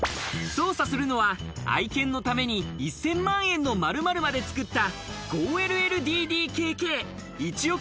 捜査するのは愛犬のために１０００万円の○○まで作った５ＬＬＤＤＫＫ。